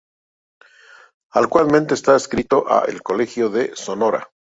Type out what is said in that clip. Actualmente está adscrito a El Colegio de Sonora.